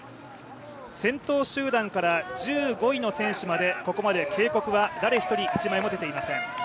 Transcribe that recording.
先頭集団から１５位の選手まで、ここまで警告はまだ１枚も出ていません。